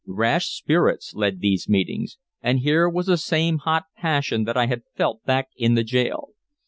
Rash spirits led these meetings, and here was the same hot passion that I had felt back in the jail.